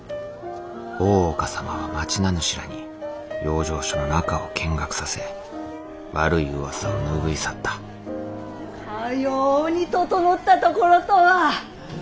大岡様は町名主らに養生所の中を見学させ悪い噂を拭い去ったかように整ったところとは。